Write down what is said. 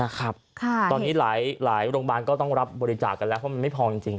นะครับค่ะตอนนี้หลายหลายโรงบาลก็ต้องรับบริจาคกันแล้วเพราะมันไม่พอจริงจริง